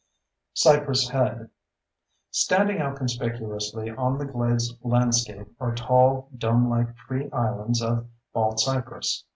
Cypress Head Standing out conspicuously on the glades landscape are tall, domelike tree islands of baldcypress.